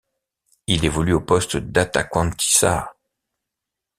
Il évolue au poste d'attaquantissa.